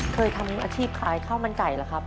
เคยทำอาชีพขายข้าวมันไก่เหรอครับ